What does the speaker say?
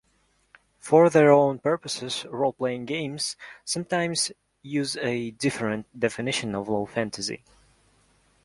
For their own purposes role-playing games sometimes use a different definition of low fantasy.